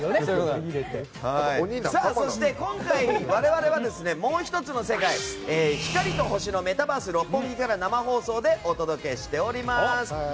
そして今回、我々はもう１つの世界光と星のメタバース六本木から生放送でお届けしております。